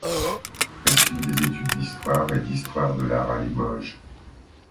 Elle suit des études d’histoire et d’histoire de l’art à Limoges.